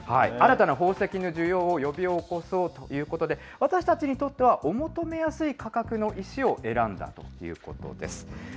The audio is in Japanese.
新たな宝石の需要を呼び起こそうということで、私たちにとってはお求めやすい価格の石を選んだということです。